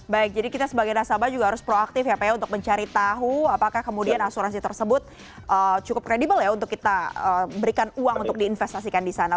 baik jadi kita sebagai nasabah juga harus proaktif ya pak ya untuk mencari tahu apakah kemudian asuransi tersebut cukup kredibel ya untuk kita berikan uang untuk diinvestasikan di sana